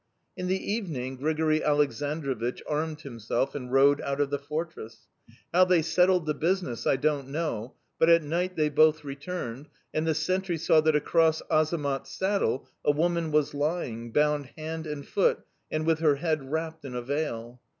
"In the evening Grigori Aleksandrovich armed himself and rode out of the fortress. How they settled the business I don't know, but at night they both returned, and the sentry saw that across Azamat's saddle a woman was lying, bound hand and foot and with her head wrapped in a veil."